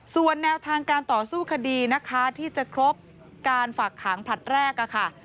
ส่วนแนวทางการต่อสู้คดีนะคะที่จะครบการฝากขังผลัดแรกค่ะ